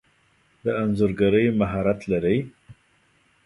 د انځورګری مهارت لرئ؟